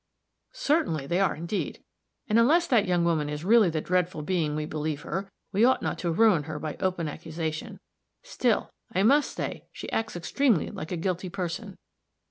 "Certainly, they are, indeed. And unless that young woman is really the dreadful being we believe her, we ought not to ruin her by open accusation. Still, I must say she acts extremely like a guilty person."